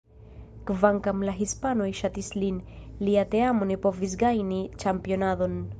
Kvankam la hispanoj ŝatis lin, lia teamo ne povis gajni ĉampionadon.